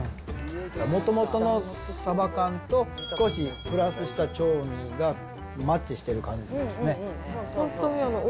もともとのサバ缶と、少しプラスした調味がマッチしてる感じですね。